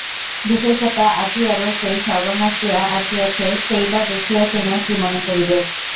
বিশেষত আজি আবার সেই সর্বনাশিয়া আসিয়াছে সেই বা দেখিয়া শুনিয়া কি মনে করিবেক।